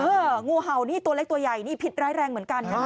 งูเห่านี่ตัวเล็กตัวใหญ่นี่พิษร้ายแรงเหมือนกันนะคะ